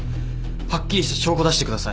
はっきりした証拠出してください。